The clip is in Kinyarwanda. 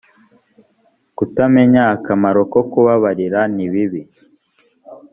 kutamenya akamaro ko kubabarira nibibi.